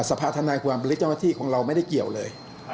สภาธนายความหรือเจ้าหน้าที่ของเราไม่ได้เกี่ยวเลย